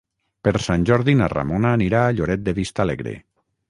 Per Sant Jordi na Ramona anirà a Lloret de Vistalegre.